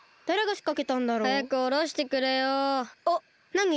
なに？